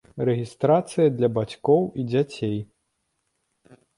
Рэгістрацыя для бацькоў і дзяцей.